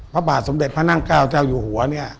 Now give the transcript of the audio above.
พระบาทสมเด็จพระนั่งเก้าเจ้าอยู่หัวเนี่ย